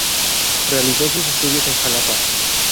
Realizó sus estudios en Jalapa.